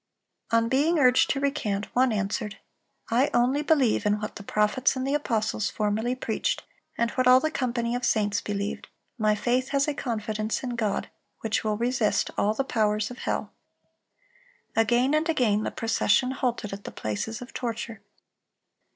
On being urged to recant, one answered: "I only believe in what the prophets and the apostles formerly preached, and what all the company of saints believed. My faith has a confidence in God which will resist all the powers of hell."(342) Again and again the procession halted at the places of torture.